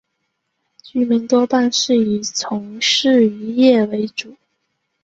居民多半是以从事渔业为主。